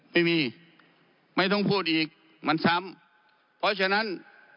ไม่มีไม่ต้องพูดอีกมันซ้ำเพราะฉะนั้น